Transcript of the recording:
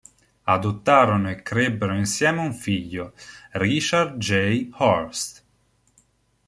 Adottarono e crebbero insieme un figlio, Richard J. Horst.